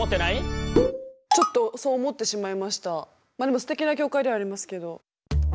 すてきな教会ではありますけど。